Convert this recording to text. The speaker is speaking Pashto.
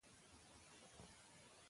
د مور حضور ماشوم ته ډاډ ورکوي.